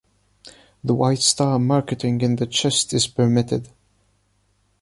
The white-star marking in the chest is permitted.